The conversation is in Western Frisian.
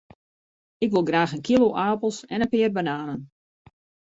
Ik wol graach in kilo apels en in pear bananen.